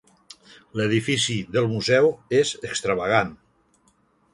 L'edifici del museu és extravagant.